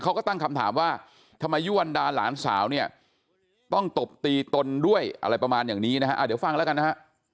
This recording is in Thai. เขาก็ตั้งคำถามว่าทำไมยุวรรดาหลานสาวเนี่ยต้องตบตีตนด้วยอะไรประมาณอย่างนี้นะฮะเดี๋ยวฟังแล้วกันนะฮะ